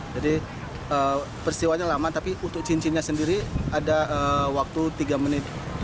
jadi peristiwanya lama tapi untuk cincinnya sendiri ada waktu tiga menit